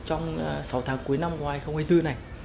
trong sáu tháng cuối năm ngoài hai nghìn hai mươi bốn này